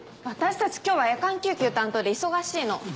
私たち今日は夜間救急担当で忙しいの。